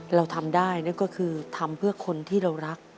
เราทำได้นั่นก็คือทำเพื่อคนที่เรารัก